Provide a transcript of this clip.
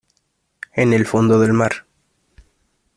en el fondo del mar.